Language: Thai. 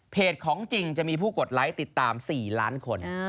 ของจริงจะมีผู้กดไลค์ติดตาม๔ล้านคน